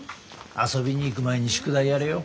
遊びに行く前に宿題やれよ。